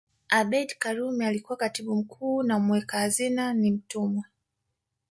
Abeid Karume alikuwa Katibu mkuu na muweka hazina ni Mtumwa